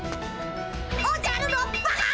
おじゃるのばか！